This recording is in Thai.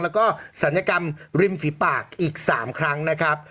แล้วก็ศัลยกรรมริมฝีปากอีก๓ครั้งนะครับ